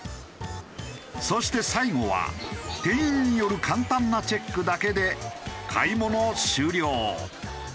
そして最後は店員による簡単なチェックだけで買い物終了。